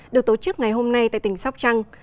được tổ chức ngày hôm nay tại tỉnh sóc trăng